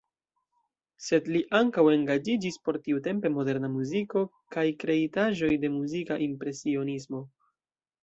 Sed li ankaŭ engaĝiĝis por tiutempe moderna muziko kaj kreitaĵoj de muzika impresionismo.